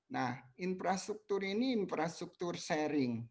nah infrastruktur ini infrastruktur sharing